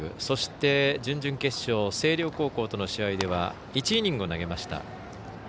そして、準々決勝星稜高校との試合では１イニングを投げました。